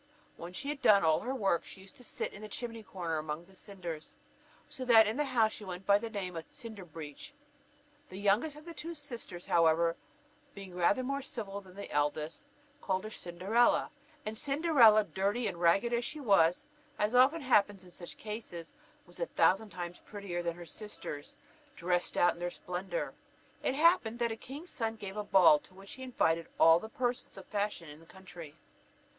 When she had done all her work she used to sit in the chimney corner among the cinders; so that in the house she went by the name of Cinderbreech. The youngest of the two sisters, however, being rather more civil than the eldest, called her Cinderella. And Cinderella, dirty and ragged as she was, as often happens in such cases, was a thousand times prettier than her sisters, drest out in all their splendour. It happened that the king's son gave a ball, to which he invited all the persons of fashion in the country.